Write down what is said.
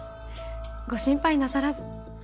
ご心配なさらず。